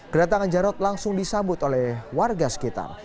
kedatangan jarod langsung disambut oleh warga sekitar